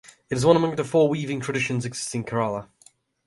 It is one among the four weaving traditions existing in Kerala.